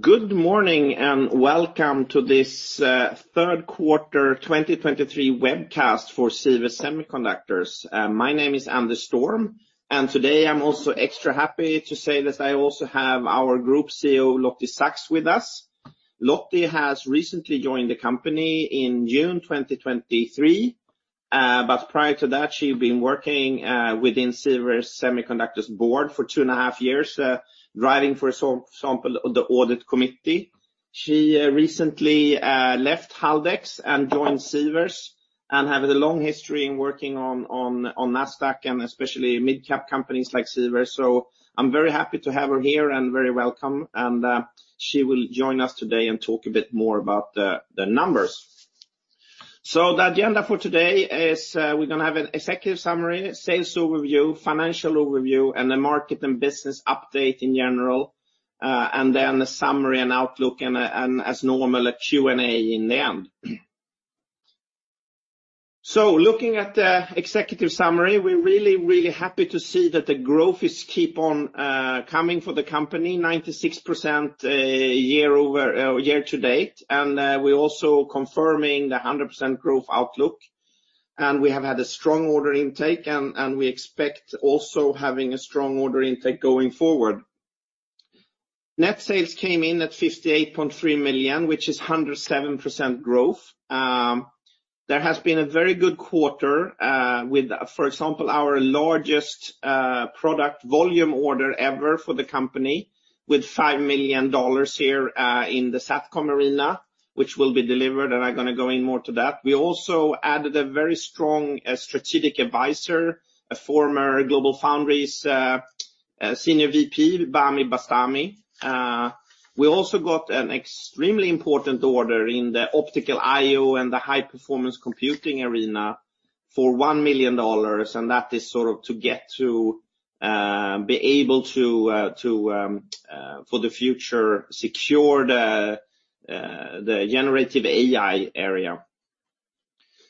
Good morning, and welcome to this third quarter 2023 webcast for Sivers Semiconductors. My name is Anders Storm, and today I'm also extra happy to say that I also have our Group CFO, Lottie Saks, with us. Lottie has recently joined the company in June 2023, but prior to that, she'd been working within Sivers Semiconductors board for two and a half years, driving, for example, the audit committee. She recently left Haldex and joined Sivers, and having a long history in working on Nasdaq and especially mid-cap companies like Sivers. So I'm very happy to have her here, and very welcome, and she will join us today and talk a bit more about the numbers. So the agenda for today is, we're going to have an executive summary, sales overview, financial overview, and a market and business update in general, and then a summary and outlook, and, and as normal, a Q&A in the end. So looking at the executive summary, we're really, really happy to see that the growth is keep on coming for the company, 96% year-over-year to date, and, we're also confirming the 100% growth have had a strong order intake, and, and we expect also having a strong order intake going forward. Net sales came in at 58.3 million, which is 107% growth. There has been a very good quarter, with, for example, our largest product volume order ever for the company, with $5 million here in the SATCOM arena, which will be delivered, and I'm going to go in more to that. We also added a very strong strategic advisor, a former GlobalFoundries Senior VP, Bami Bastani. We also got an extremely important order in the optical I/O and the high-performance computing arena for $1 million, and that is sort of to get to be able to to for the future secure the the generative AI area.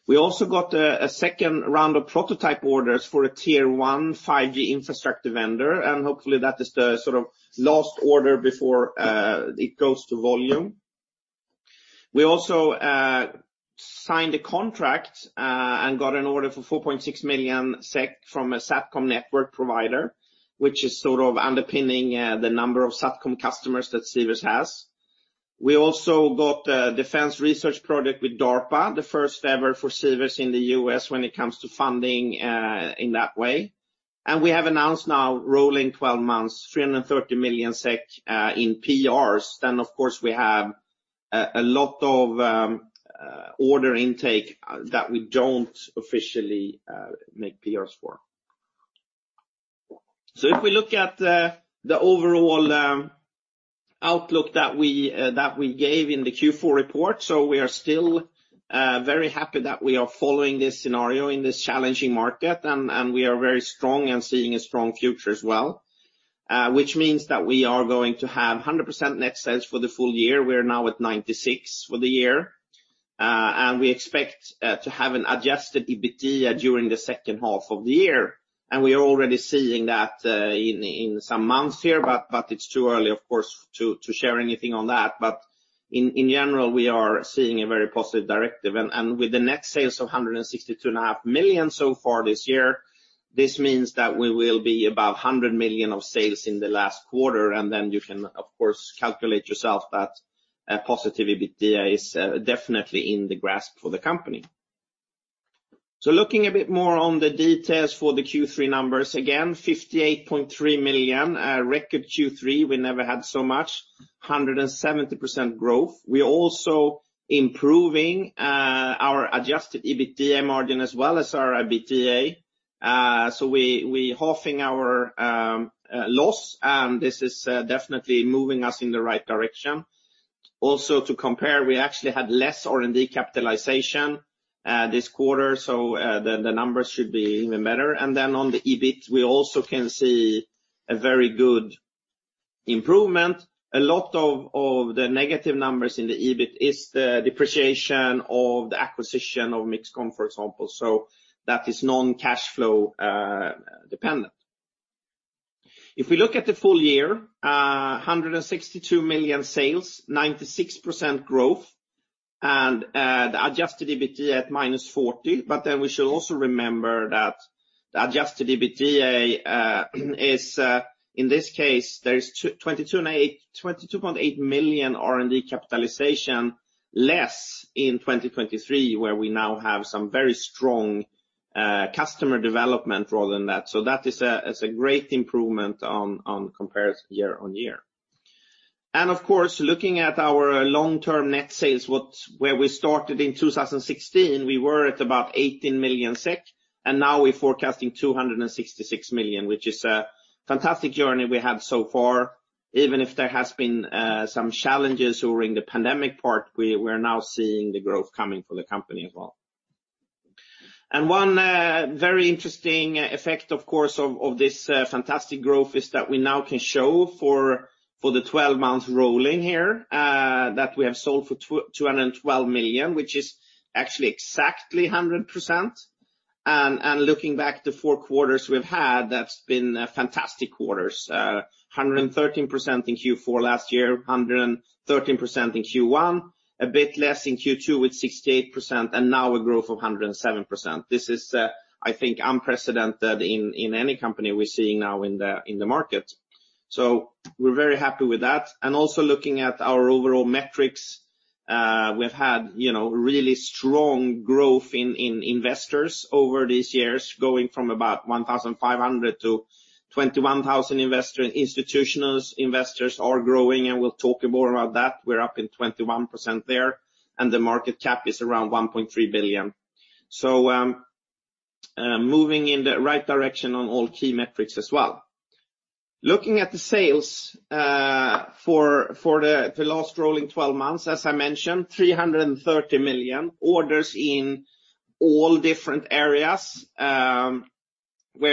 We also got a second round of prototype orders for a Tier one 5G infrastructure vendor, and hopefully that is the sort of last order before it goes to volume. We also signed a contract and got an order for 4.6 million SEK from a SATCOM network provider, which is sort of underpinning the number of SATCOM customers that Sivers has. We also got a defense research project with DARPA, the first ever for Sivers in the U.S. when it comes to funding in that way. We have announced now, rolling 12 months, 330 million SEK in PRs. Then, of course, we have a lot of order intake that we don't officially make PRs for. So if we look at the overall outlook that we gave in the Q4 report, so we are still very happy that we are following this scenario in this challenging market, and we are very strong and seeing a strong future as well. Which means that we are going to have 100% net sales for the full year. We are now at 96% for the year. And we expect to have an Adjusted EBITDA during the second half of the year. And we are already seeing that in some months here, but it's too early, of course, to share anything on that. But in general, we are seeing a very positive direction, and with the net sales of 162.5 million so far this year, this means that we will be about 100 million of sales in the last quarter, and then you can, of course, calculate yourself that a positive EBITDA is definitely in the grasp for the company. So looking a bit more on the details for the Q3 numbers, again, 58.3 million, record Q3. We never had so much, 170% growth. We are also improving, our adjusted EBITDA margin as well as our EBITDA. So we, we halving our, loss, and this is, definitely moving us in the right direction. Also, to compare, we actually had less R&D capitalization, this quarter, so, the, the numbers should be even better. And then on the EBIT, we also can see a very good improvement. A lot of, of the negative numbers in the EBIT is the depreciation of the acquisition of MixComm, for example, so that is non-cash flow, dependent. If we look at the full year, 162 million sales, 96% growth, and, the adjusted EBITDA at -40 million. But then we should also remember that the adjusted EBITDA is, in this case, there is 22.8 million SEK R&D capitalization, less in 2023, where we now have some very strong customer development rather than that. So that is a great improvement on comparison year-on-year. And of course, looking at our long-term net sales, where we started in 2016, we were at about 18 million SEK, and now we're forecasting 266 million SEK, which is a fantastic journey we have so far. Even if there has been some challenges during the pandemic part, we're now seeing the growth coming for the company as well. One very interesting effect, of course, of this fantastic growth is that we now can show for the 12 months rolling here that we have sold for 212 million, which is actually exactly 100%. And looking back the 4 quarters we've had, that's been fantastic quarters. 113% in Q4 last year, 113% in Q1, a bit less in Q2 with 68%, and now a growth of 107%. This is, I think, unprecedented in any company we're seeing now in the market. So we're very happy with that. And also looking at our overall metrics, we've had, really strong growth in investors over these years, going from about 1,500 to 21,000 investor. Institutional investors are growing, and we'll talk more about that. We're up 21% there, and the market cap is around 1.3 billion. So, moving in the right direction on all key metrics as well. Looking at the sales, for the last rolling twelve months, as I mentioned, 330 million orders in all different areas, where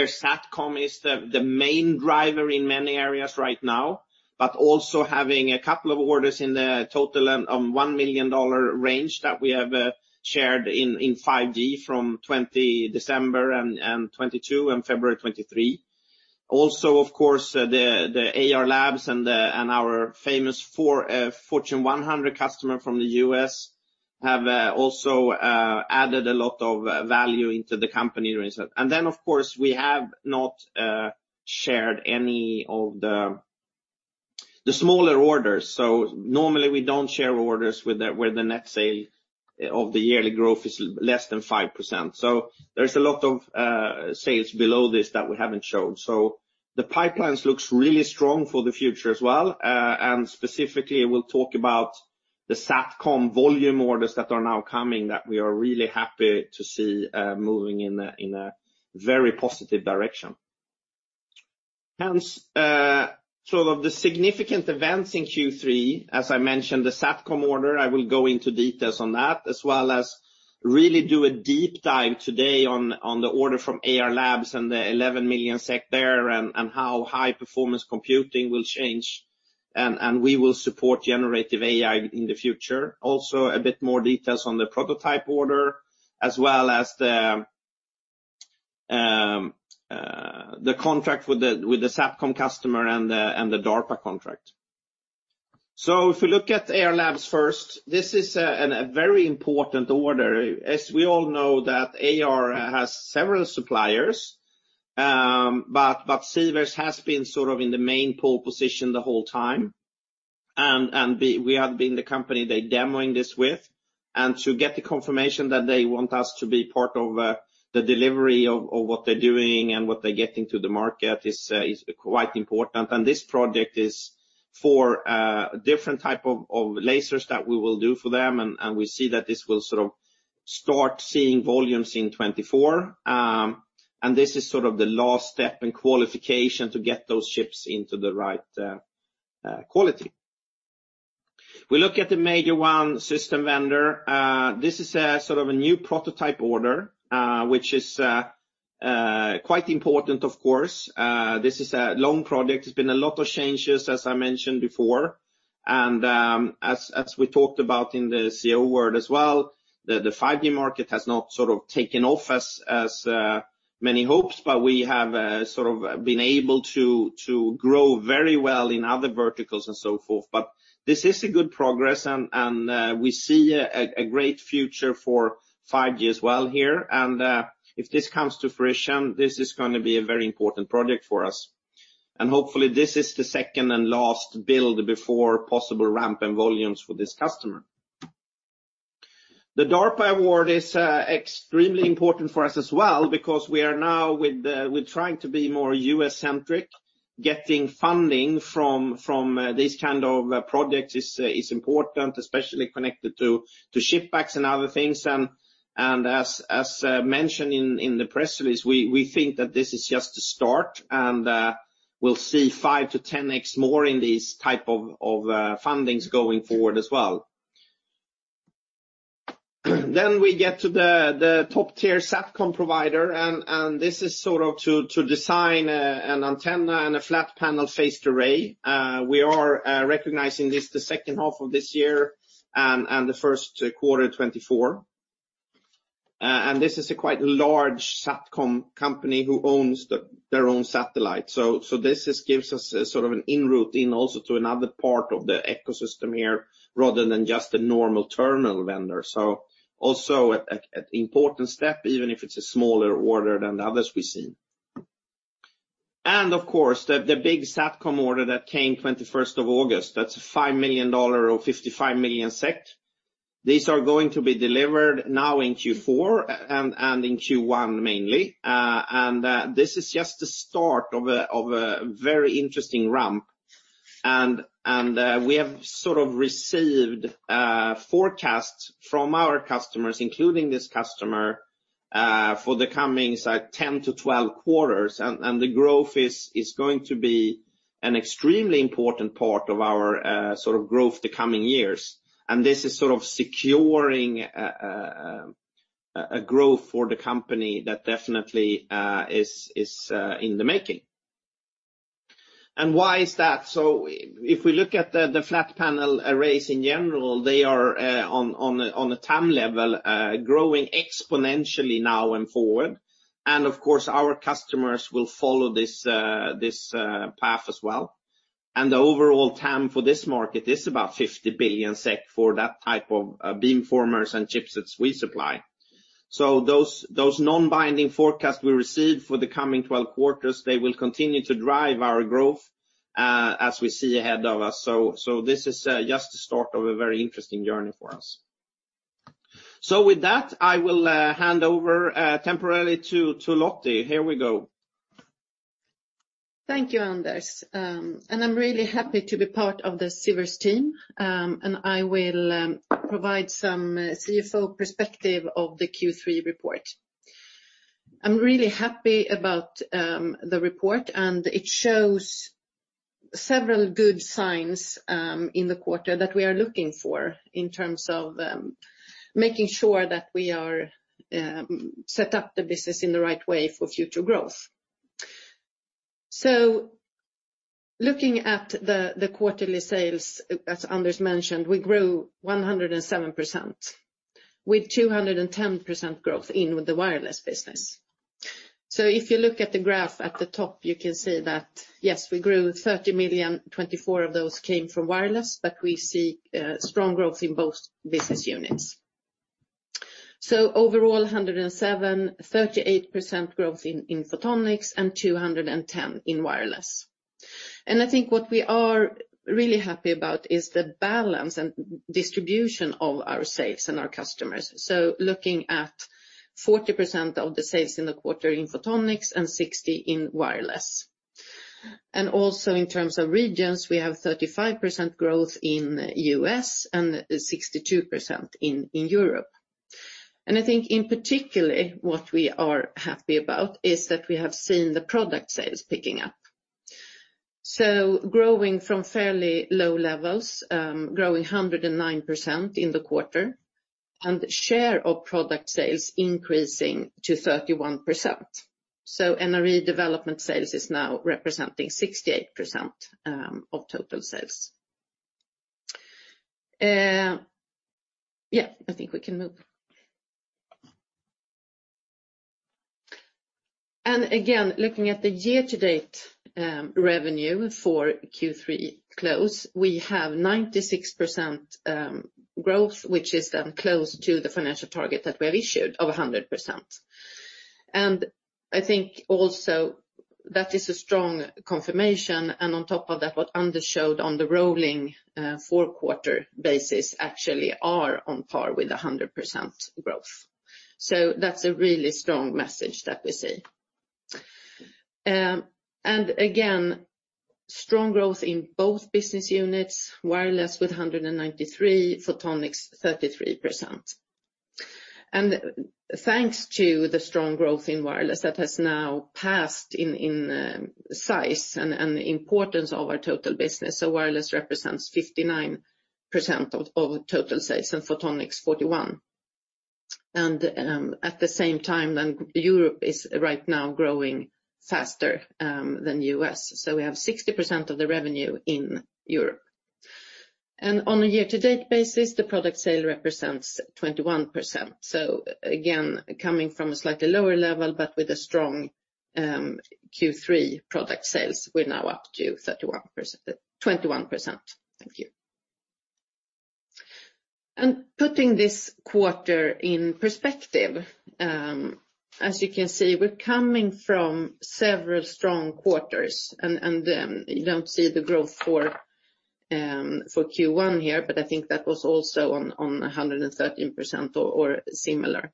SATCOM is the main driver in many areas right now, but also having a couple of orders in the total $1 million range that we have shared in 5G from December 2020 and 2022 and February 2023. Also, of course, the Ayar Labs and our famous Fortune 100 customer from the U.S. have also added a lot of value into the company recent. And then, of course, we have not shared any of the, the smaller orders. So normally, we don't share orders with the, where the net sale of the yearly growth is less than 5%. So there's a lot of sales below this that we haven't shown. So the pipelines looks really strong for the future as well. And specifically, we'll talk about the SATCOM volume orders that are now coming that we are really happy to see moving in a, in a very positive direction. Hence, sort of the significant events in Q3, as I mentioned, the SATCOM order, I will go into details on that, as well as really do a deep dive today on the order from Ayar Labs and the 11 million SEK there, and how high-performance computing will change, and we will support generative AI in the future. Also, a bit more details on the prototype order, as well as the contract with the SATCOM customer and the DARPA contract. So if we look at Ayar Labs first, this is a very important order. As we all know that Ayar has several suppliers, but Sivers has been sort of in the main pole position the whole time, and we have been the company they're demoing this with. To get the confirmation that they want us to be part of the delivery of what they're doing and what they're getting to the market is quite important. This project is for a different type of lasers that we will do for them, and we see that this will sort of start seeing volumes in 2024. This is sort of the last step in qualification to get those chips into the right quality. We look at the major one, system vendor. This is a sort of a new prototype order, which is quite important of course. This is a long project. There's been a lot of changes, as I mentioned before, and, as we talked about in the CEO world as well, the 5G market has not sort of taken off as many hopes, but we have sort of been able to grow very well in other verticals and so forth. But this is a good progress and, we see a great future for 5 years well here. And, if this comes to fruition, this is gonna be a very important project for us. Hopefully, this is the second and last build before possible ramp and volumes for this customer. The DARPA award is extremely important for us as well because we are now with the, we're trying to be more U.S.-centric. Getting funding from these kind of projects is important, especially connected to CHIPS Acts and other things. And as mentioned in the press release, we think that this is just a start, and we'll see 5-10x more in these type of fundings going forward as well. Then we get to the top-tier SATCOM provider, and this is sort of to design an antenna and a flat panel phased array. We are recognizing this the second half of this year and the first quarter 2024. And this is a quite large SATCOM company who owns their own satellite. So this gives us a sort of an en route in also to another part of the ecosystem here, rather than just a normal terminal vendor. So also an important step, even if it's a smaller order than the others we've seen. And of course, the big SATCOM order that came 21st of August, that's a $5 million or 55 million SEK. These are going to be delivered now in Q4 and in Q1, mainly. And this is just the start of a very interesting ramp. And we have sort of received forecasts from our customers, including this customer, for the coming 10-12 quarters. And the growth is going to be an extremely important part of our sort of growth the coming years. And this is sort of securing a growth for the company that definitely is in the making. And why is that? So if we look at the flat panel arrays in general, they are on a TAM level growing exponentially now and forward. And of course, our customers will follow this path as well. And the overall TAM for this market is about 50 billion SEK for that type of beamformers and chipsets we supply. So those non-binding forecasts we received for the coming 12 quarters, they will continue to drive our growth as we see ahead of us. So this is just the start of a very interesting journey for us. So with that, I will hand over temporarily to Lottie. Here we go. Thank you, Anders. I'm really happy to be part of the Sivers team. I will provide some CFO perspective of the Q3 report. I'm really happy about the report, and it shows several good signs in the quarter that we are looking for in terms of making sure that we are set up the business in the right way for future growth. Looking at the quarterly sales, as Anders mentioned, we grew 107%, with 210% growth in the wireless business. If you look at the graph at the top, you can see that, yes, we grew 30 million, 24 million of those came from wireless, but we see strong growth in both business units. So overall, 107.38% growth in Photonics, and 210 in wireless. And I think what we are really happy about is the balance and distribution of our sales and our customers. So looking at 40% of the sales in the quarter in Photonics and 60 in wireless. And also in terms of regions, we have 35% growth in U.S. and 62% in Europe. And I think in particularly, what we are happy about is that we have seen the product sales picking up. So growing from fairly low levels, growing 109% in the quarter, and share of product sales increasing to 31%. So NRE development sales is now representing 68% of total sales. I think we can move. And again, looking at the year-to-date revenue for Q3 close, we have 96% growth, which is then close to the financial target that we have issued of 100%. And I think also that is a strong confirmation, and on top of that, what Anders showed on the rolling 4-quarter basis, actually are on par with 100% growth. So that's a really strong message that we see. And again, strong growth in both business units, Wireless with 193%, Photonics, 33%. And thanks to the strong growth in Wireless, that has now passed in size and importance of our total business. So Wireless represents 59% of total sales, and Photonics, 41%. And at the same time, then Europe is right now growing faster than U.S. We have 60% of the revenue in Europe. On a year-to-date basis, the product sale represents 21%. So again, coming from a slightly lower level, but with a strong Q3 product sales, we're now up to 31%—21%. Thank you. And putting this quarter in perspective, as you can see, we're coming from several strong quarters, you don't see the growth for Q1 here, but I think that was also on a 113% or similar.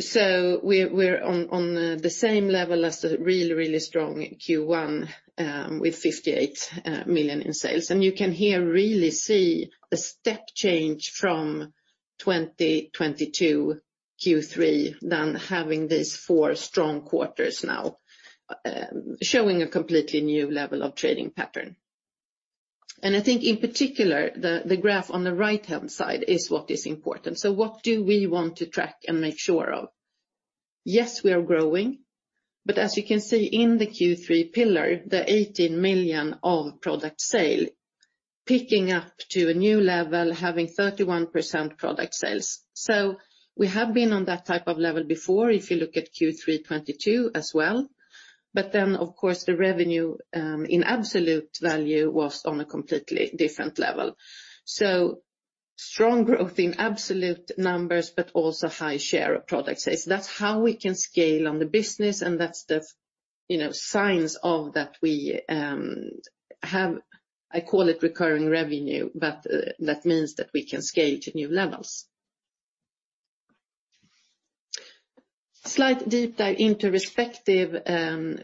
So we're on the same level as the really, really strong Q1 with 58 million in sales. And you can hear really see the step change from 2022 Q3 than having these four strong quarters now, showing a completely new level of trading pattern. I think in particular, the graph on the right-hand side is what is important. So what do we want to track and make sure of? Yes, we are growing, but as you can see in the Q3 pillar, the 18 million of product sale, picking up to a new level, having 31% product sales. So we have been on that type of level before, if you look at Q3 2022 as well. But then, of course, the revenue in absolute value was on a completely different level. So strong growth in absolute numbers, but also high share of product sales. That's how we can scale on the business, and that's the signs of that we have. I call it recurring revenue, but that means that we can scale to new levels. Slight deep dive into respective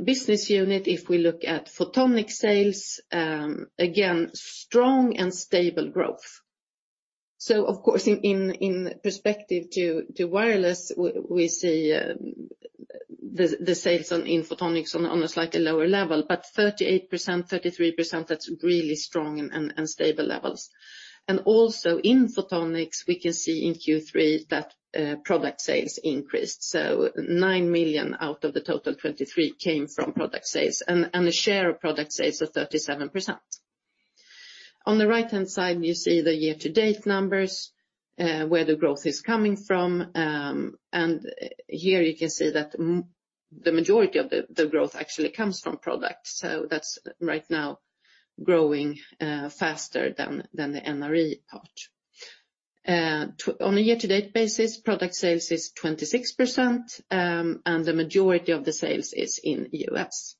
business unit. If we look at Photonics sales, again, strong and stable growth. So of course, in perspective to wireless, we see the sales in Photonics on a slightly lower level, but 38%, 33%, that's really strong and stable levels. And also in Photonics, we can see in Q3, that product sales increased. So 9 million out of the total 23 came from product sales, and the share of product sales are 37%. On the right-hand side, you see the year-to-date numbers, where the growth is coming from and here you can see that the majority of the growth actually comes from products. So that's right now growing faster than the NRE part. On a year-to-date basis, product sales is 26%, and the majority of the sales is in U.S.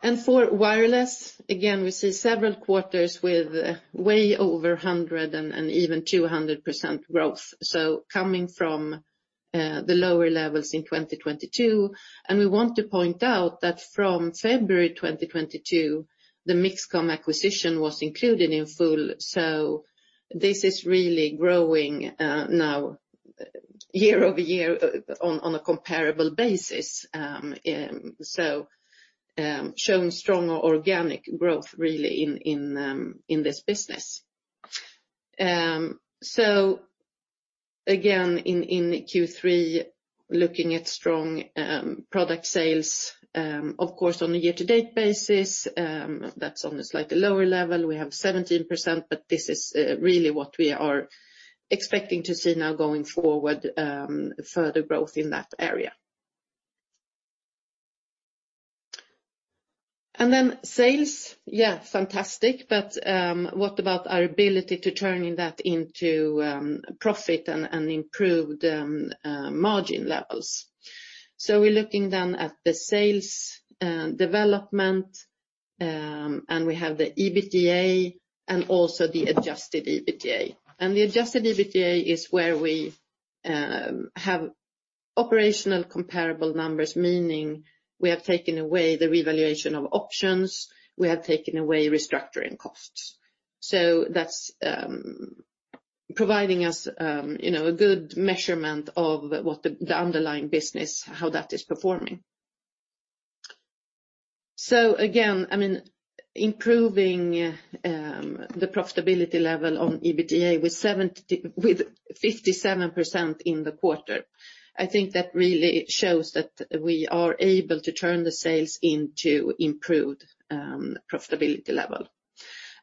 And for wireless, again, we see several quarters with way over 100 and even 200% growth. So coming from the lower levels in 2022, and we want to point out that from February 2022, the MixComm acquisition was included in full. So this is really growing now year-over-year on a comparable basis. So showing strong organic growth really in this business. So again, in Q3, looking at strong product sales, of course, on a year-to-date basis, that's on a slightly lower level. We have 17%, but this is really what we are expecting to see now going forward, further growth in that area. And then sales, yeah, fantastic. But what about our ability to turning that into profit and improved margin levels? So we're looking then at the sales development, and we have the EBITDA and also the adjusted EBITDA. And the adjusted EBITDA is where we have operational comparable numbers, meaning we have taken away the revaluation of options, we have taken away restructuring costs. So that's providing us, a good measurement of what the underlying business, how that is performing. So again, I mean, improving the profitability level on EBITDA with 57% in the quarter, I think that really shows that we are able to turn the sales into improved profitability level,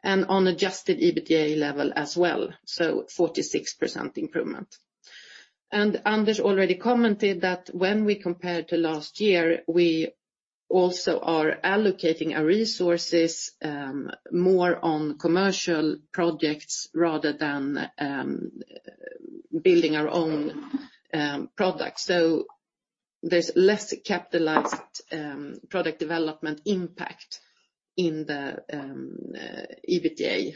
and on adjusted EBITDA level as well, so 46% improvement. Anders already commented that when we compare to last year, we also are allocating our resources, more on commercial projects rather than, building our own, products. So there's less capitalized, product development impact in the, EBITDA.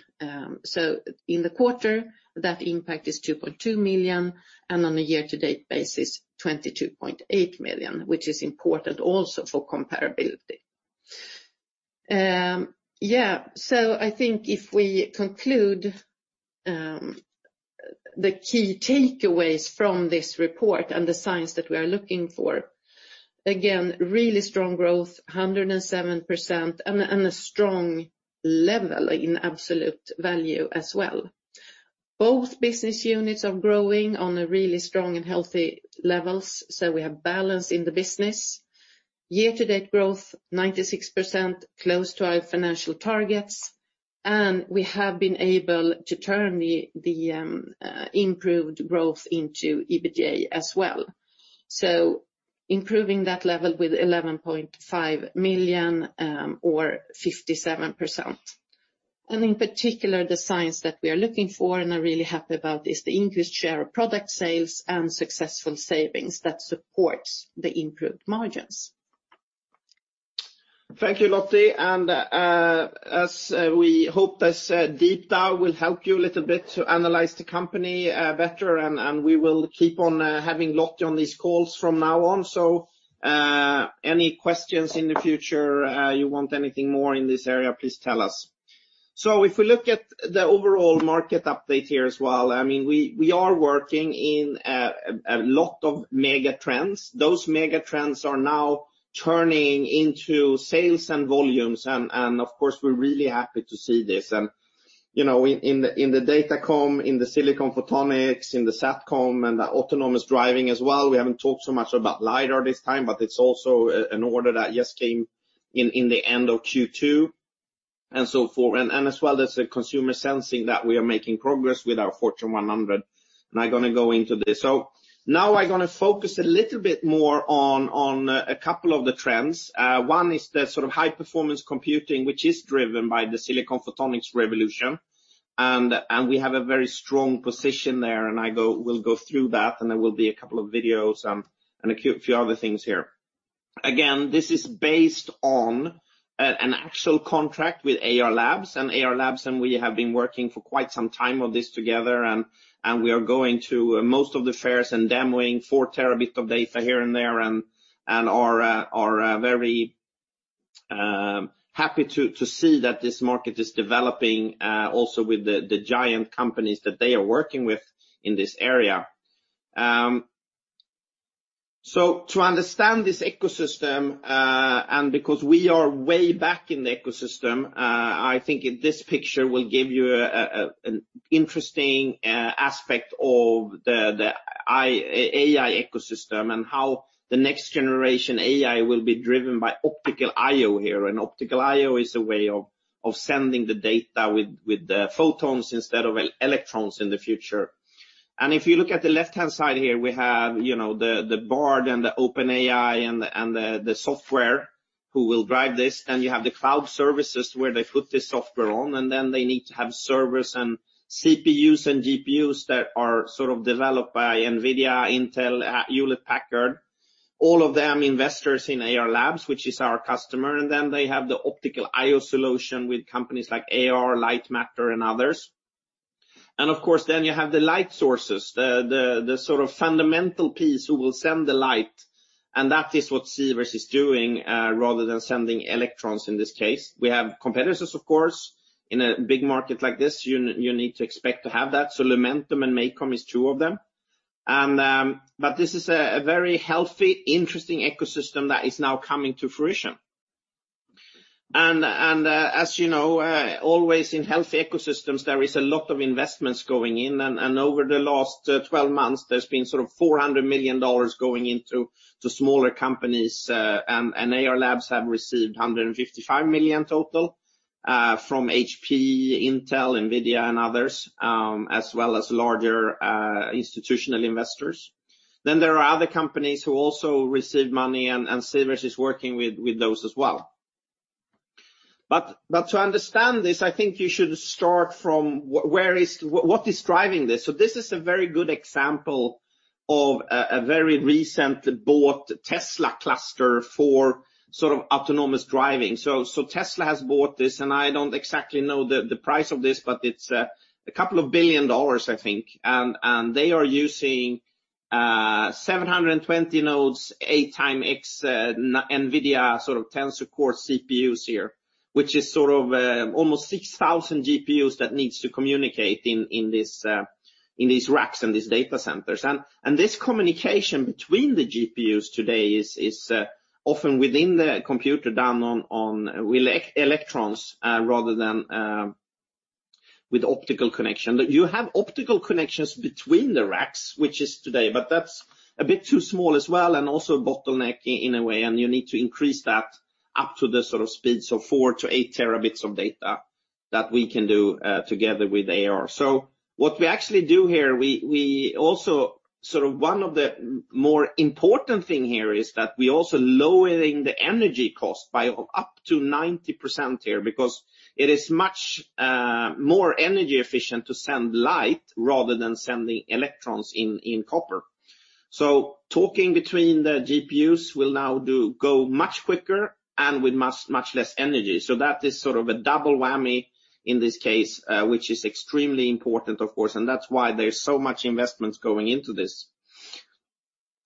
So in the quarter, that impact is 2.2 million, and on a year-to-date basis, 22.8 million, which is important also for comparability. Yeah, so I think if we conclude, the key takeaways from this report and the signs that we are looking for, again, really strong growth, 107%, and a, and a strong level in absolute value as well. Both business units are growing on a really strong and healthy levels, so we have balance in the business. Year-to-date growth, 96%, close to our financial targets, and we have been able to turn the improved growth into EBITDA as well. So improving that level with 11.5 million, or 57%. And in particular, the signs that we are looking for and are really happy about is the increased share of product sales and successful savings that supports the improved margins. Thank you, Lottie. As we hope this deep dive will help you a little bit to analyze the company better, and we will keep on having Lottie on these calls from now on. So, any questions in the future, you want anything more in this area, please tell us. So if we look at the overall market update here as well, I mean, we are working in a lot of mega trends. Those mega trends are now turning into sales and volumes, and of course, we're really happy to see this. And, in the Datacom, in the Silicon Photonics, in the SATCOM, and the autonomous driving as well, we haven't talked so much about LiDAR this time, but it's also an order that just came in, in the end of Q2 and so forth. And, as well, there's a consumer sensing that we are making progress with our Fortune 100, and I'm going to go into this. So now I'm going to focus a little bit more on a couple of the trends. One is the sort of high performance computing, which is driven by the Silicon Photonics revolution. We have a very strong position there, and we'll go through that, and there will be a couple of videos and a few other things here. Again, this is based on an actual contract with Ayar Labs, and Ayar Labs, and we have been working for quite some time on this together, and we are going to most of the fairs and demoing 4 Terabit of data here and there, and are very happy to see that this market is developing also with the giant companies that they are working with in this area. So to understand this ecosystem, and because we are way back in the ecosystem, I think this picture will give you an interesting aspect of the AI ecosystem and how the next generation AI will be driven by optical I/O here. And optical I/O is a way of sending the data with the photons instead of electrons in the future. And if you look at the left-hand side here, we have, the Bard and the OpenAI and the software that will drive this. Then you have the cloud services, where they put this software on, and then they need to have servers and CPUs and GPUs that are sort of developed by NVIDIA, Intel, Hewlett-Packard. All of them investors in Ayar Labs, which is our customer, and then they have the optical I/O solution with companies like Ayar, Lightmatter, and others. And of course, then you have the light sources, the sort of fundamental piece that will send the light, and that is what Sivers is doing rather than sending electrons in this case. We have competitors, of course. In a big market like this, you need to expect to have that. Lumentum and MACOM is two of them. And, but this is a very healthy, interesting ecosystem that is now coming to fruition. And, as always in healthy ecosystems, there is a lot of investments going in, and over the last 12 months, there's been sort of $400 million going into smaller companies, and Ayar Labs have received $155 million total from HP, Intel, NVIDIA and others, as well as larger institutional investors. Then there are other companies who also receive money, and Sivers is working with those as well. But to understand this, I think you should start from where, what is driving this? So this is a very good example of a very recent bought Tesla cluster for sort of autonomous driving. So Tesla has bought this, and I don't exactly know the price of this, but it's a couple of billion dollars, I think. And they are using 720 nodes, 8x NVIDIA sort of tensor core CPUs here, which is sort of almost 6,000 GPUs that needs to communicate in this in these racks and these data centers. And this communication between the GPUs today is often within the computer done on electrons rather than with optical connection. You have optical connections between the racks, which is today, but that's a bit too small as well, and also bottleneck in a way, and you need to increase that up to the sort of speeds of 4-8 Tbps of data that we can do together with Ayar. So what we actually do here, we also sort of one of the more important thing here is that we're also lowering the energy cost by up to 90% here because it is much more energy efficient to send light rather than sending electrons in copper. So talking between the GPUs will now go much quicker and with much, much less energy. So that is sort of a double whammy in this case, which is extremely important, of course, and that's why there's so much investments going into this.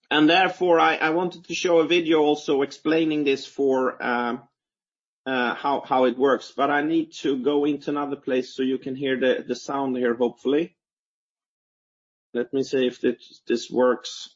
And therefore, I wanted to show a video also explaining this for how it works. But I need to go into another place, so you can hear the sound here, hopefully. Let me see if this works.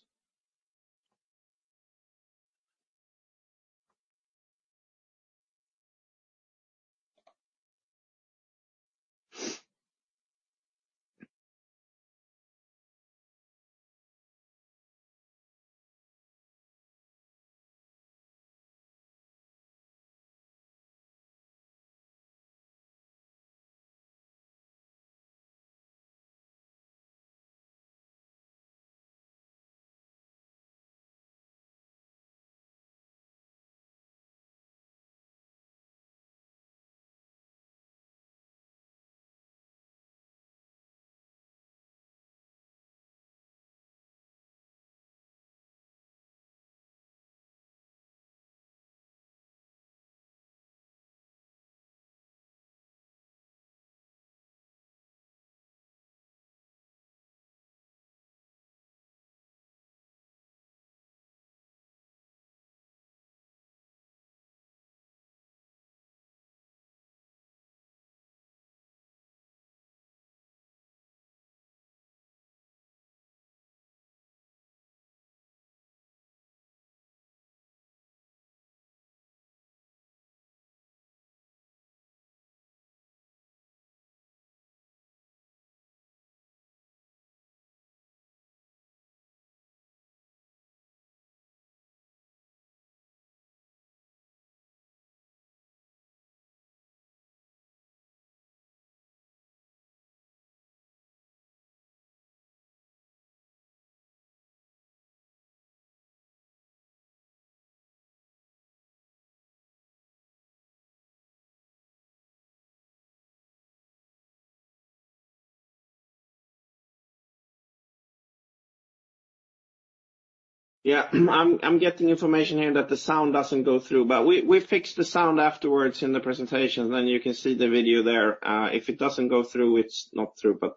I'm getting information here that the sound doesn't go through, but we fix the sound afterwards in the presentation, then you can see the video there. If it doesn't go through, it's not through, but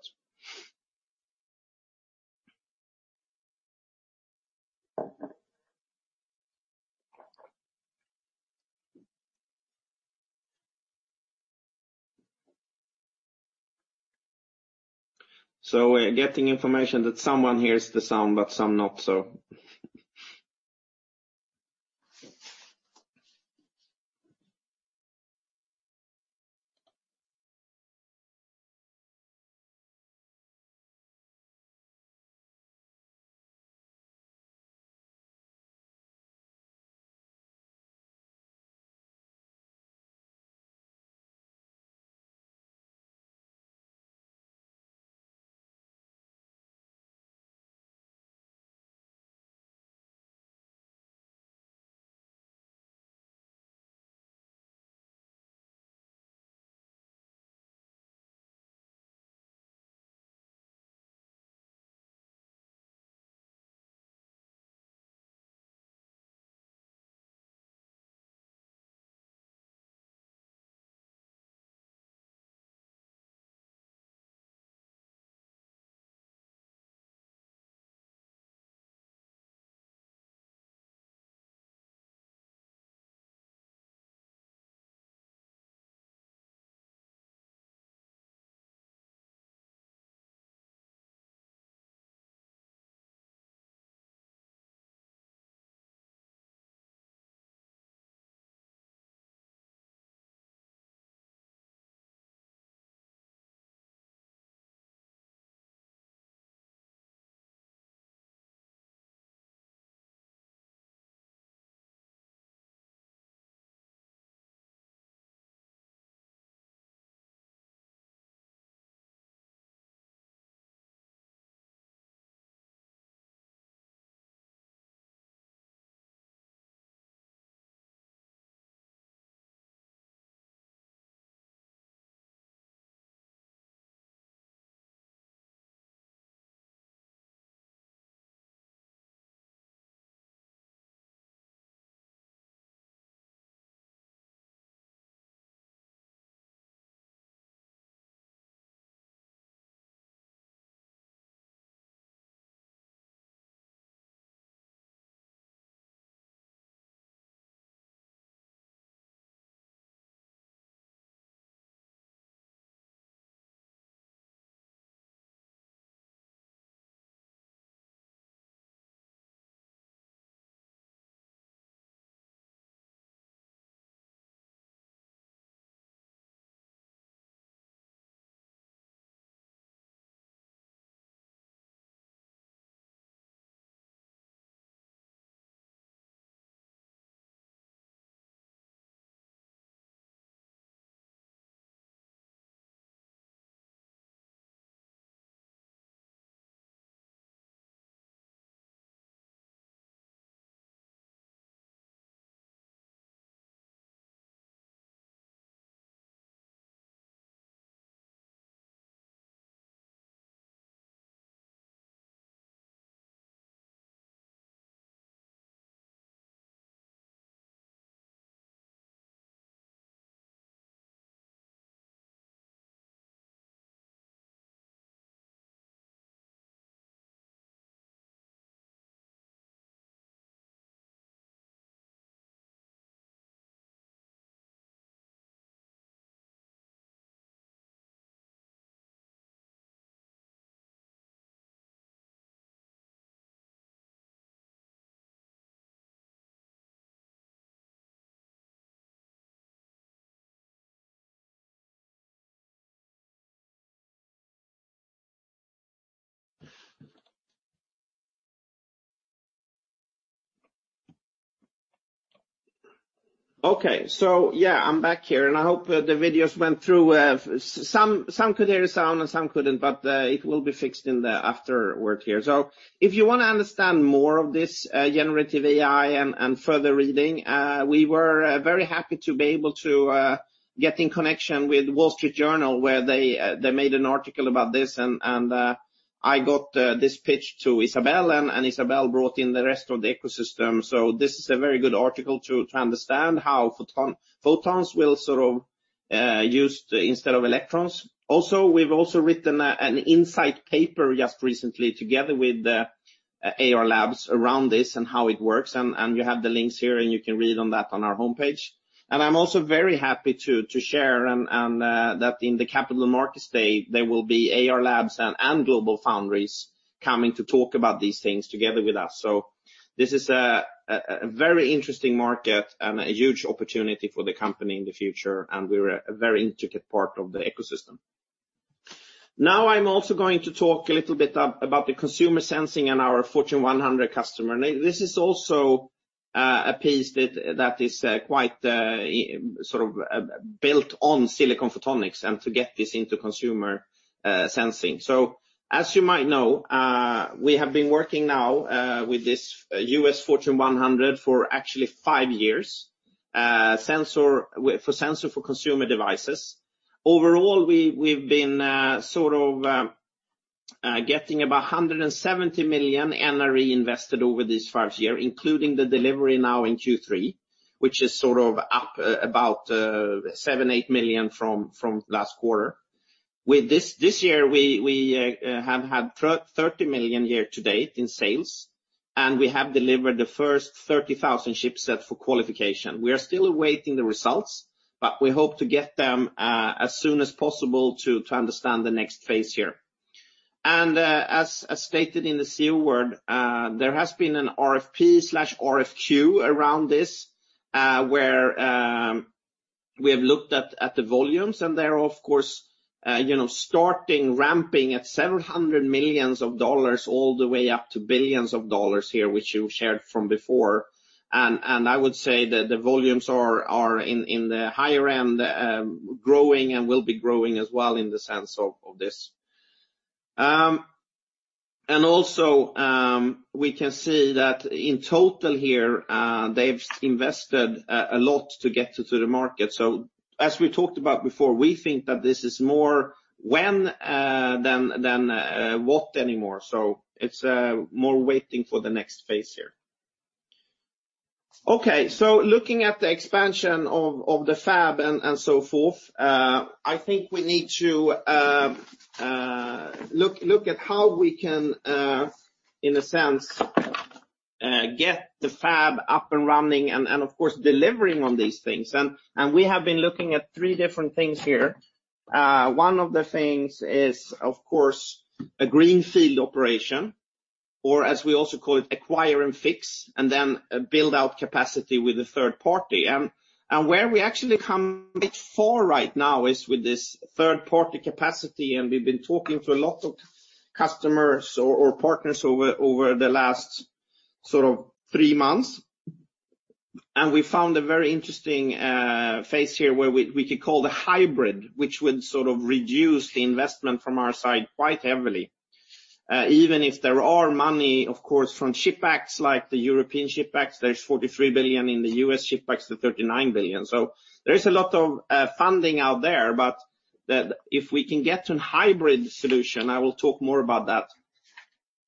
we're getting information that someone hears the sound, but some not, so. Okay, I'm back here, and I hope the videos went through. Some could hear the sound and some couldn't, but it will be fixed in the after work here. So if you want to understand more of this, generative AI and further reading, we were very happy to be able to get in connection with Wall Street Journal, where they made an article about this, and I got this pitch to Isabelle, and Isabelle brought in the rest of the ecosystem. So this is a very good article to understand how photons will sort of used instead of electrons. Also, we've also written an insight paper just recently together with the Ayar Labs around this and how it works, and you have the links here, and you can read on that on our homepage. I'm also very happy to share and that in the capital markets day, there will be Ayar Labs and GlobalFoundries coming to talk about these things together with us. So this is a very interesting market and a huge opportunity for the company in the future, and we're a very intricate part of the ecosystem. Now, I'm also going to talk a little bit about the consumer sensing and our Fortune 100 customer. And this is also a piece that is quite sort of built on silicon photonics and to get this into consumer sensing. So as you might know, we have been working now with this U.S. Fortune 100 for actually five years, sensor for consumer devices. Overall, we've been sort of getting about 170 million NRE invested over this 5 year, including the delivery now in Q3, which is sort of up about 7-8 million from last quarter. With this year, we have had 30 million year to date in sales, and we have delivered the first 30,000 chipsets for qualification. We are still awaiting the results, but we hope to get them as soon as possible to understand the next phase here. And as stated in the CEO word, there has been an RFP/RFQ around this, where we have looked at the volumes, and they're, of course, starting ramping at several hundred million dollars all the way up to billions of dollars here, which you shared from before. I would say that the volumes are in the higher end, growing and will be growing as well in the sense of this. And also, we can see that in total here, they've invested a lot to get to the market. So as we talked about before, we think that this is more when than what anymore. So it's more waiting for the next phase here. Okay, so looking at the expansion of the fab and so forth, I think we need to look at how we can, in a sense, get the fab up and running and, of course, delivering on these things. And we have been looking at three different things here. One of the things is, of course, a greenfield operation, or as we also call it, acquire and fix, and then build out capacity with a third party. And where we actually come before right now is with this third-party capacity, and we've been talking to a lot of customers or partners over the last sort of three months. And we found a very interesting phase here, where we could call the hybrid, which would sort of reduce the investment from our side quite heavily. Even if there are money, of course, from CHIPS Acts like the European CHIPS Acts, there's 43 billion, in the U.S. CHIPS Acts, the $39 billion. So there is a lot of funding out there, but if we can get to a hybrid solution, I will talk more about that.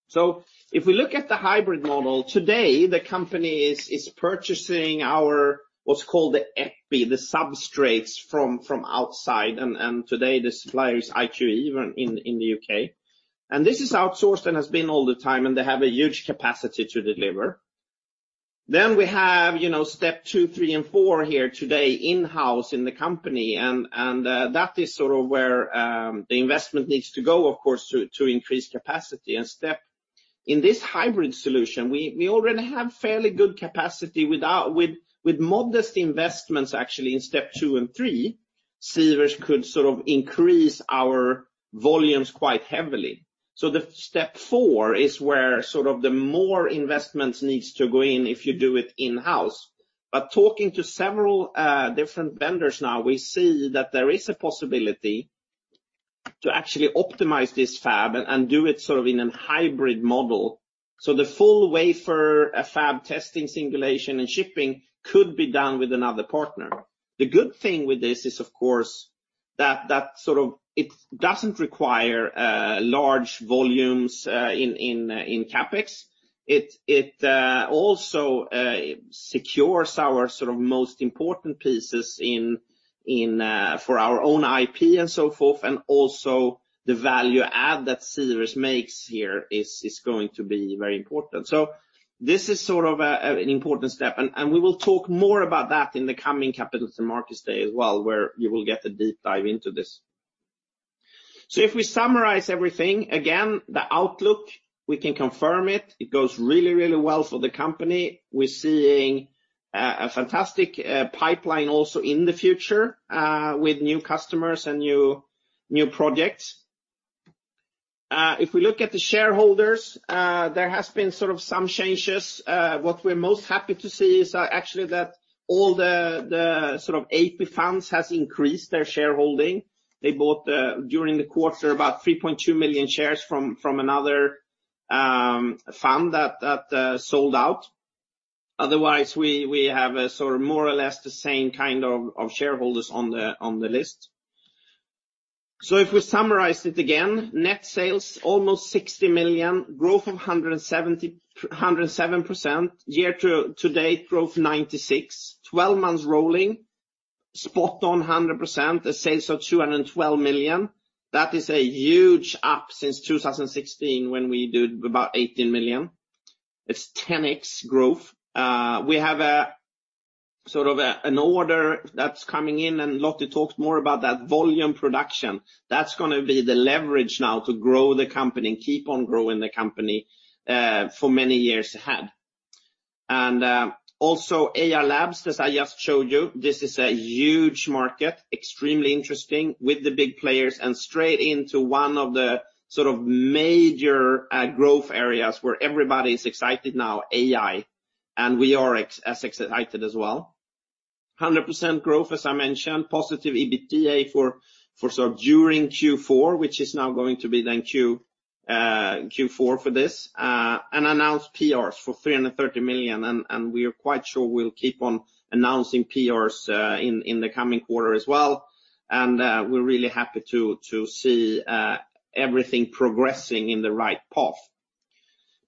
So if we look at the hybrid model, today, the company is purchasing our, what's called the epi, the substrates from outside, and today, the supplier is IQE in the UK and this is outsourced and has been all the time, and they have a huge capacity to deliver. Then we have, step two, three, and four here today in-house in the company, and that is sort of where the investment needs to go, of course, to increase capacity. And step, in this hybrid solution, we already have fairly good capacity without. With modest investments, actually, in step two and three, Sivers could sort of increase our volumes quite heavily. So the step four is where sort of the more investments needs to go in if you do it in-house. But talking to several, different vendors now, we see that there is a possibility to actually optimize this fab and do it sort of in a hybrid model. So the full wafer, fab testing, simulation, and shipping could be done with another partner. The good thing with this is, of course, that, that sort of, it doesn't require, large volumes, in CapEx. It, it, also, secures our sort of most important pieces in, in, for our own IP and so forth, and also the value add that Sivers makes here is, is going to be very important. So this is sort of, an important step and we will talk more about that in the coming Capital and Markets Day as well, where you will get a deep dive into this. So if we summarize everything, again, the outlook, we can confirm it. It goes really, really well for the company. We're seeing a fantastic pipeline also in the future with new customers and new projects. If we look at the shareholders, there has been sort of some changes. What we're most happy to see is actually that all the sort of AP funds has increased their shareholding. They bought during the quarter about 3.2 million shares from another fund that sold out. Otherwise, we have a sort of more or less the same kind of shareholders on the list. So if we summarize it again, net sales almost 60 million, growth of 170, 107%. Year-to-date growth 96%. 12 months rolling, spot on 100%, the sales are 212 million. That is a huge up since 2016, when we did about 18 million. It's 10x growth. We have a sort of an order that's coming in, and Lottie talked more about that volume production. That's gonna be the leverage now to grow the company and keep on growing the company for many years ahead and also, Ayar Labs, as I just showed you, this is a huge market, extremely interesting, with the big players, and straight into one of the sort of major growth areas where everybody is excited now, AI, and we are as excited as well. 100% growth, as I mentioned, positive EBITDA for so during Q4, which is now going to be then Q4 for this, and announced PRs for 330 million, and we are quite sure we'll keep on announcing PRs in the coming quarter as well. We're really happy to see everything progressing in the right path.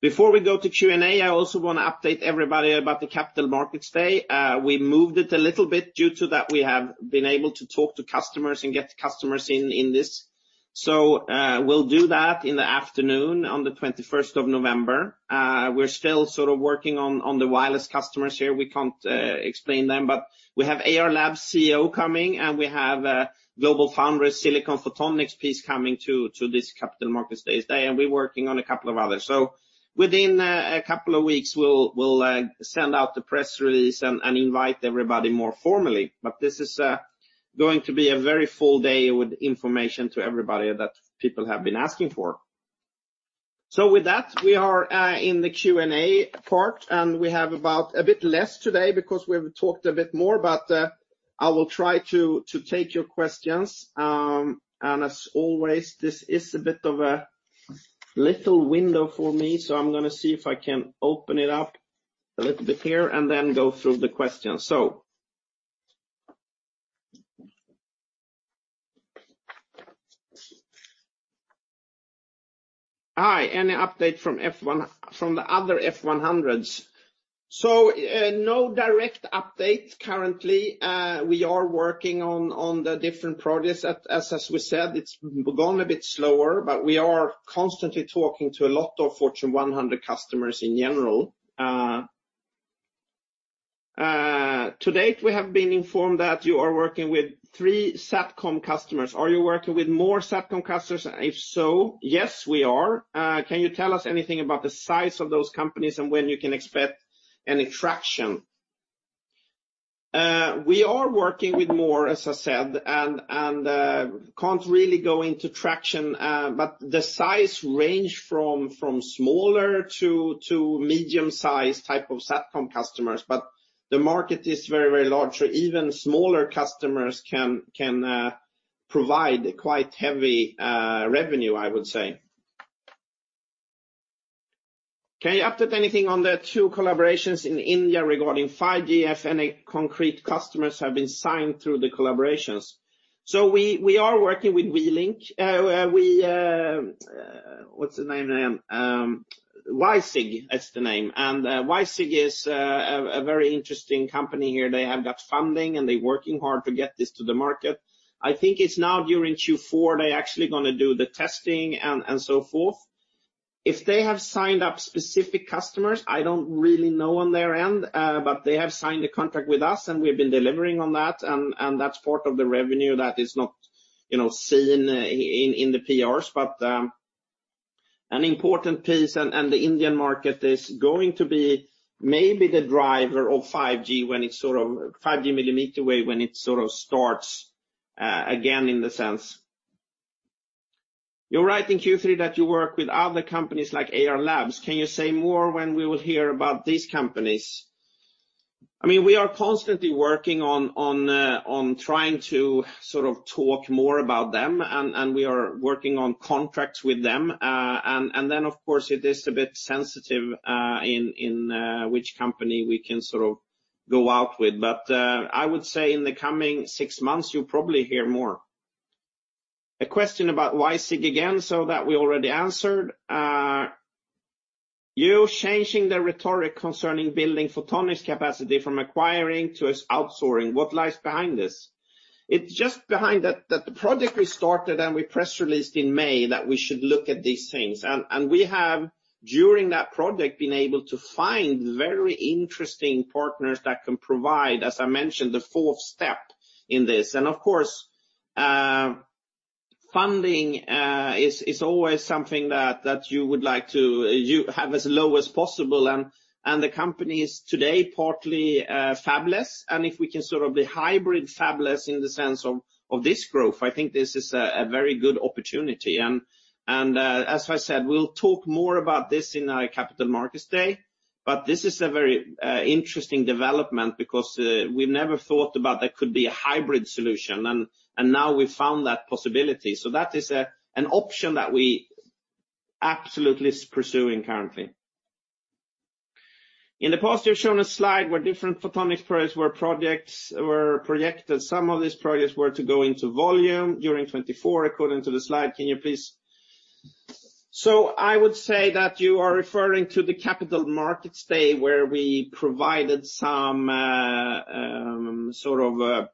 Before we go to Q&A, I also want to update everybody about the Capital Markets Day. We moved it a little bit. Due to that, we have been able to talk to customers and get the customers in this. So, we'll do that in the afternoon on the 21 of November. We're still sort of working on the wireless customers here. We can't explain them, but we have Ayar Labs' CEO coming, and we have a GlobalFoundries Silicon Photonics piece coming to this Capital Markets Day today, and we're working on a couple of others. So within a couple of weeks, we'll send out the press release and invite everybody more formally. But this is going to be a very full day with information to everybody that people have been asking for. So with that, we are in the Q&A part, and we have about a bit less today because we've talked a bit more, but I will try to take your questions. And as always, this is a bit of a little window for me, so I'm gonna see if I can open it up a little bit here and then go through the questions. So. Hi, any update from the other F100s? So, no direct update currently. We are working on the different projects. As we said, it's gone a bit slower, but we are constantly talking to a lot of Fortune 100 customers in general. To date, we have been informed that you are working with three SATCOM customers. Are you working with more SATCOM customers? If yes, we are. Can you tell us anything about the size of those companies and when you can expect any traction? We are working with more, as I said, and can't really go into traction, but the size range from smaller to medium-sized type of SATCOM customers. But the market is very, very large, so even smaller customers can provide quite heavy revenue, I would say. Can you update anything on the two collaborations in India regarding 5G? If any concrete customers have been signed through the collaborations? So we are working with WeLink. What's the name? WiSig, that's the name. And WiSig is a very interesting company here. They have got funding, and they're working hard to get this to the market. I think it's now during Q4, they're actually gonna do the testing and so forth. If they have signed up specific customers, I don't really know on their end, but they have signed a contract with us, and we've been delivering on that. And that's part of the revenue that is not, seen in the PRs. But, an important piece, and, and the Indian market is going to be maybe the driver of 5G when it sort of, 5G millimeter wave, when it sort of starts, again, in the sense. You're writing in Q3 that you work with other companies like Ayar Labs. Can you say more when we will hear about these companies? I mean, we are constantly working on trying to sort of talk more about them, and, and we are working on contracts with them. And then, of course, it is a bit sensitive, in which company we can sort of go out with. But, I would say in the coming six months, you'll probably hear more. A question about WiSig again, so that we already answered. You changing the rhetoric concerning building photonics capacity from acquiring to outsourcing. What lies behind this? It's just behind that the project we started and we press released in May that we should look at these things. And we have, during that project, been able to find very interesting partners that can provide, as I mentioned, the fourth step in this. And of course, funding is always something that you would like to have as low as possible. And the company is today partly fabless, and if we can sort of be hybrid fabless in the sense of this growth, I think this is a very good opportunity. And as I said, we'll talk more about this in our Capital Markets Day, but this is a very interesting development because we've never thought about there could be a hybrid solution, and now we found that possibility. So that is an option that we absolutely pursuing currently. In the past, you've shown a slide where different photonic projects were projected. Some of these projects were to go into volume during 2024, according to the slide. Can you please? So I would say that you are referring to the Capital Markets Day, where we provided some sort of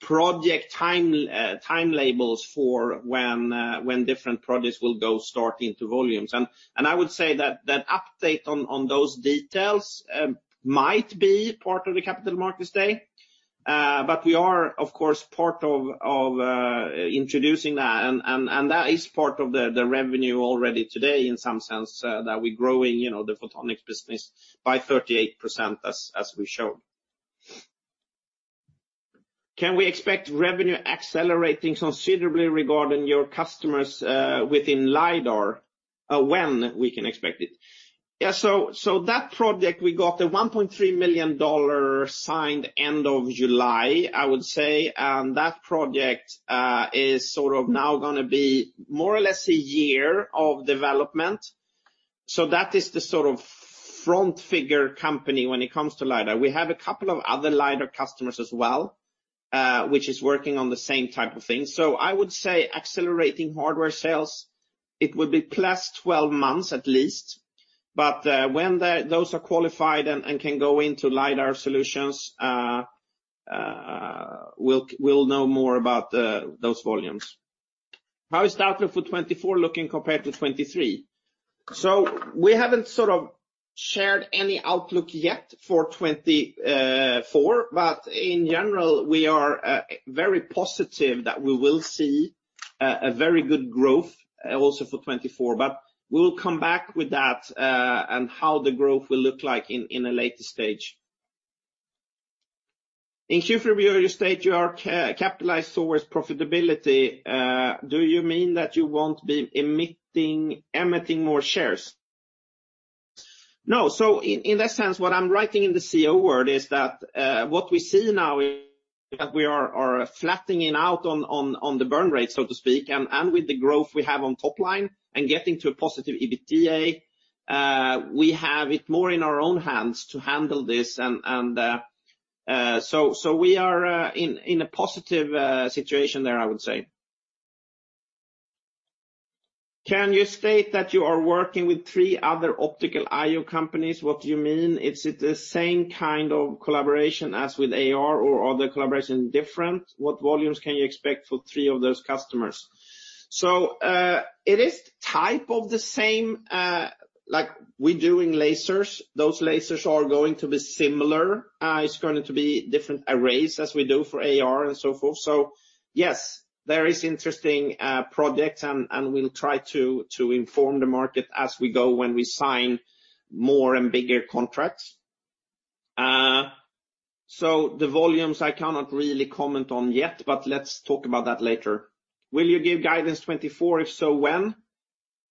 project time labels for when different projects will go start into volumes. And I would say that that update on those details might be part of the Capital Markets Day. But we are, of course, part of introducing that, and that is part of the revenue already today, in some sense, that we're growing, the photonics business by 38%, as we showed. Can we expect revenue accelerating considerably regarding your customers within LiDAR? When can we expect it? Yeah, so, so that project, we got a $1.3 million signed end of July, I would say. And that project is sort of now gonna be more or less a year of development. So that is the sort of front figure company when it comes to LiDAR. We have a couple of other LiDAR customers as well, which is working on the same type of thing. So I would say accelerating hardware sales, it would be +12 months at least. But when those are qualified and can go into LiDAR solutions, we'll know more about those volumes. How is the outlook for 2024 looking compared to 2023? So we haven't sort of shared any outlook yet for 2024, but in general, we are very positive that we will see a very good growth also for 2024. But we'll come back with that and how the growth will look like in a later stage. In Q3, you state you are capitalized towards profitability. Do you mean that you won't be issuing more shares? No. So in that sense, what I'm writing in the comment is that what we see now is that we are flattening out on the burn rate, so to speak, and with the growth we have on top line and getting to a positive EBITDA, we have it more in our own hands to handle this. So we are in a positive situation there, I would say. Can you state that you are working with three other optical I/O companies? What do you mean? Is it the same kind of collaboration as with AR or are the collaboration different? What volumes can you expect for three of those customers? So it is type of the same like we do in lasers. Those lasers are going to be similar. It's going to be different arrays as we do for AR and so forth. So yes, there is interesting projects, and we'll try to inform the market as we go when we sign more and bigger contracts. So the volumes I cannot really comment on yet, but let's talk about that later. Will you give guidance 2024? If so, when?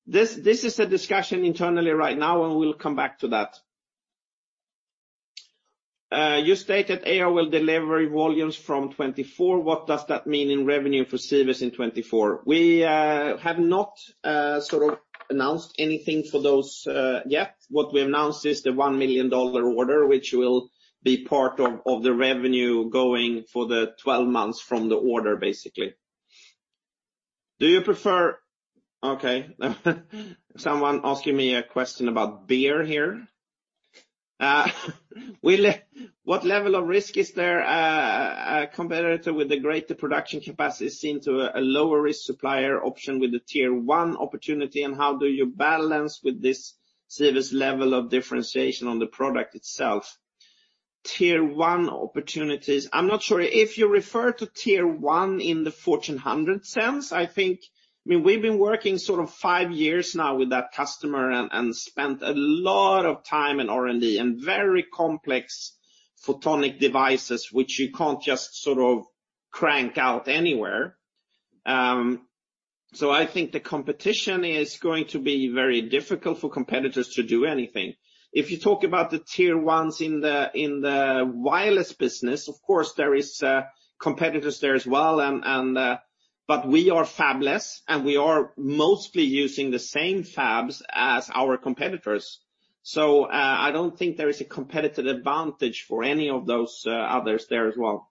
This, this is a discussion internally right now, and we'll come back to that. You stated AR will deliver volumes from 2024. What does that mean in revenue for Sivers in 2024? We have not sort of announced anything for those yet. What we announced is the $1 million order, which will be part of the revenue going for the 12 months from the order, basically. Do you prefer- Okay, someone asking me a question about beer here. Will, what level of risk is there, a competitor with a greater production capacity seen to a lower-risk supplier option with a tier one opportunity, and how do you balance with this service level of differentiation on the product itself? Tier one opportunities. I'm not sure. If you refer to tier one in the Fortune 100 sense, I think, I mean, we've been working sort of 5 years now with that customer and spent a lot of time in R&D and very complex photonic devices, which you can't just sort of crank out anywhere. So I think the competition is going to be very difficult for competitors to do anything. If you talk about the tier ones in the wireless business, of course, there is competitors there as well, and but we are fabless, and we are mostly using the same fabs as our competitors. So I don't think there is a competitive advantage for any of those others there as well.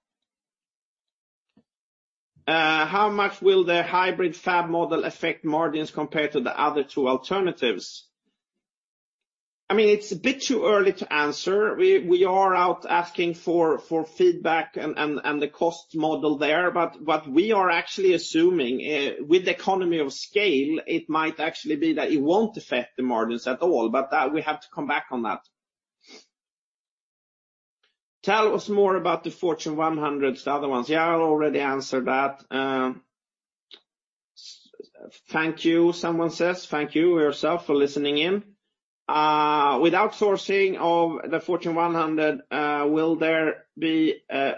How much will the hybrid fab model affect margins compared to the other 2 alternatives? I mean, it's a bit too early to answer. We are out asking for feedback and the cost model there, but what we are actually assuming, with economy of scale, it might actually be that it won't affect the margins at all, but we have to come back on that. Tell us more about the Fortune 100, the other ones. Yeah, I already answered that. "Thank you," someone says. Thank you, yourself, for listening in. With outsourcing of the Fortune 100, will there be a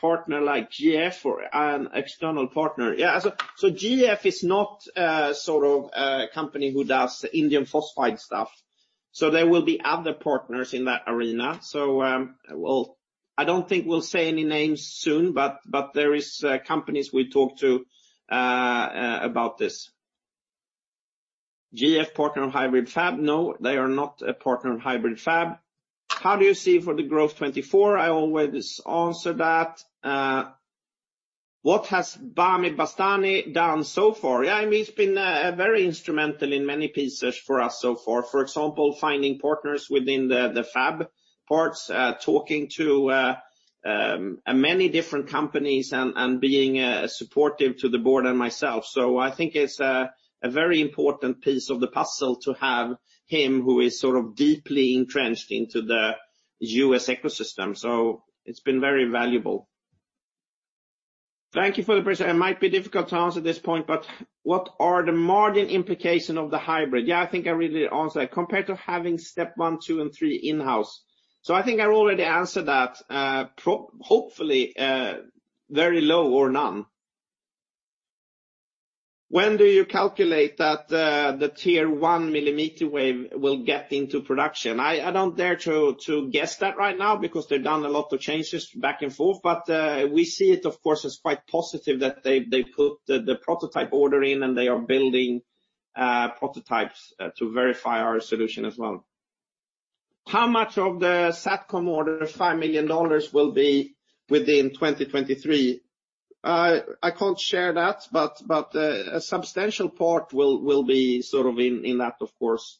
partner like GF or an external partner? Yeah, so GF is not sort of a company who does Indium Phosphide stuff, so there will be other partners in that arena. So, well, I don't think we'll say any names soon, but there is companies we talk to about this. GF, partner of hybrid fab? No, they are not a partner of hybrid fab. How do you see for the growth 2024? I always answer that. What has Bami Bastani done so far? Yeah, I mean, he's been very instrumental in many pieces for us so far. For example, finding partners within the, the fab parts, talking to many different companies and, and being supportive to the board and myself. So I think it's a very important piece of the puzzle to have him, who is sort of deeply entrenched into the U.S. ecosystem. So it's been very valuable. Thank you for the question. It might be difficult to answer at this point, but what are the margin implication of the hybrid? Yeah, I think I already answered that. Compared to having step one, two, and three in-house. So I think I already answered that. Hopefully, very low or none. When do you calculate that the tier one millimeter wave will get into production? I don't dare to guess that right now because they've done a lot of changes back and forth, but we see it, of course, as quite positive that they've put the prototype order in, and they are building prototypes to verify our solution as well. How much of the SATCOM order, $5 million, will be within 2023? I can't share that, but a substantial part will be sort of in that, of course.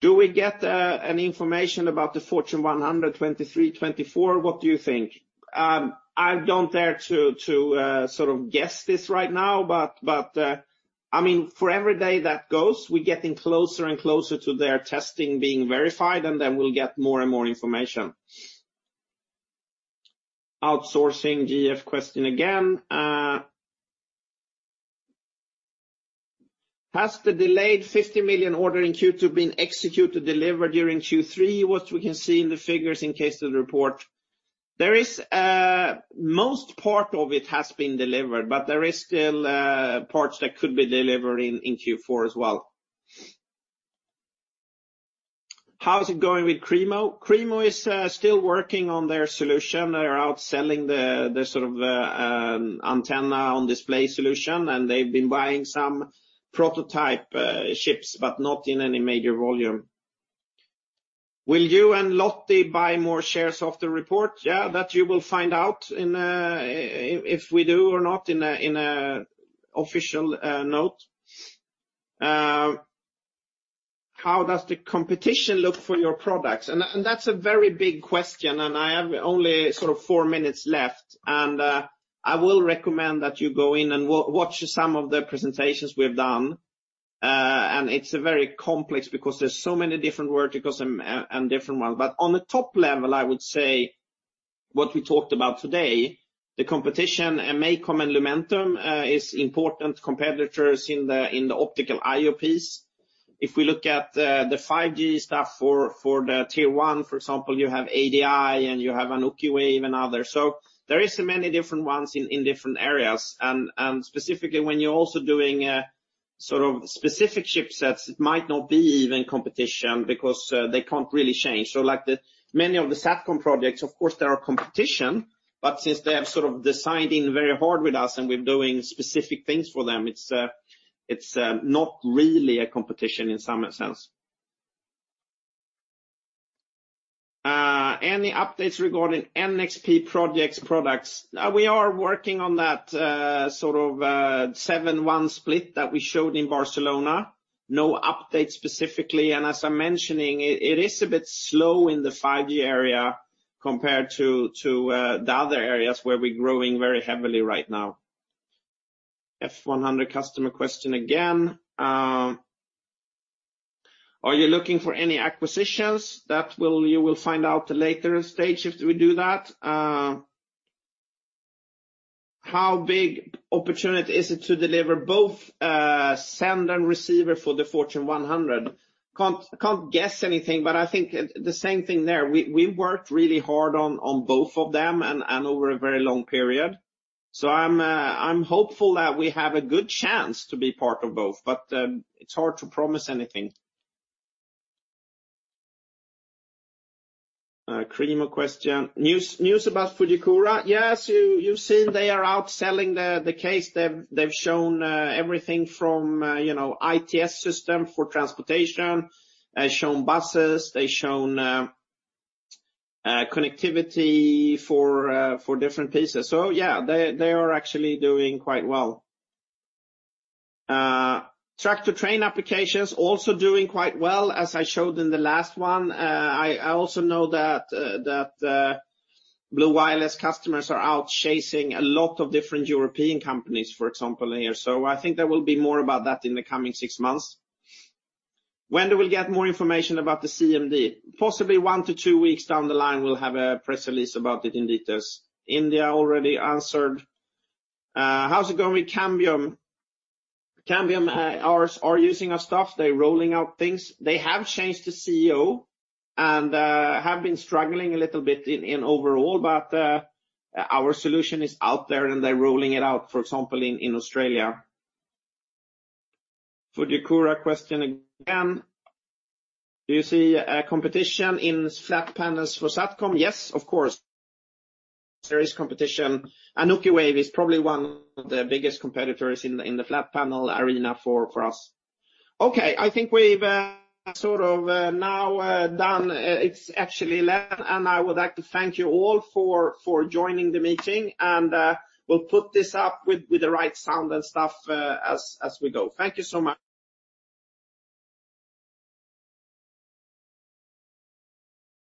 Do we get an information about the Fortune 100, 2023, 2024? What do you think? I don't dare to guess this right now, but for every day that goes, we're getting closer and closer to their testing being verified, and then we'll get more and more information. Outsourcing GF question again. Has the delayed 50 million order in Q2 been executed, delivered during Q3? What we can see in the figures in case the report, most part of it has been delivered, but there is still parts that could be delivered in Q4 as well. How is it going with Kreemo? Kreemo is still working on their solution. They are out selling the sort of antenna-on-display solution, and they've been buying some prototype chips, but not in any major volume. Will you and Lottie buy more shares of the report? Yeah, that you will find out in, if we do or not in a, in a official note. How does the competition look for your products? And that's a very big question, and I have only sort of four minutes left, and I will recommend that you go in and watch some of the presentations we've done. And it's very complex because there's so many different verticals and different ones. But on the top level, I would say what we talked about today, the competition and MACOM and Lumentum is important competitors in the optical I/O. If we look at the 5G stuff for the tier one, for example, you have ADI and you have Anokiwave and others. So there is many different ones in different areas. Specifically when you're also doing sort of specific chipsets, it might not be even competition because they can't really change. So like many of the SATCOM projects, of course, there are competition, but since they have sort of designed in very hard with us and we're doing specific things for them, it's not really a competition in some sense. Any updates regarding NXP projects, products? We are working on that sort of 7-1 split that we showed in Barcelona. No update specifically, and as I'm mentioning, it is a bit slow in the 5G area compared to the other areas where we're growing very heavily right now. Fortune 100 customer question again. Are you looking for any acquisitions? That will—you will find out the later stage if we do that. How big opportunity is it to deliver both, send and receiver for the Fortune 100? I can't guess anything, but I think the same thing there. We worked really hard on both of them and over a very long period. So I'm hopeful that we have a good chance to be part of both, but it's hard to promise anything. Kreemo question. News about Fujikura? Yes, you've seen they are out selling the case. They've shown everything from, ITS system for transportation, shown buses, they've shown connectivity for different pieces. So yeah, they are actually doing quite well. Track to train applications also doing quite well, as I showed in the last one. I also know that Blu Wireless customers are out chasing a lot of different European companies, for example, here. So I think there will be more about that in the coming six months. When do we get more information about the CMD? Possibly one to two weeks down the line, we'll have a press release about it in details. India already answered. How's it going with Cambium? Cambium are using our stuff. They're rolling out things. They have changed the CEO and have been struggling a little bit in overall, but our solution is out there and they're rolling it out, for example, in Australia. Fujikura question again. Do you see a competition in flat panels for SATCOM? Yes, of course, there is competition. Anokiwave is probably one of the biggest competitors in, in the flat panel array for, for us. Okay, I think we've, sort of, now, done. It's actually left, and I would like to thank you all for, for joining the meeting, and, we'll put this up with, with the right sound and stuff as we go. Thank you so much.